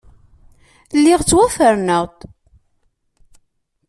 Lliɣ ttwaferneɣ-d.